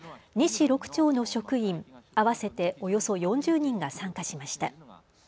２市６町の職員、合わせておよそ４０人が参加しました。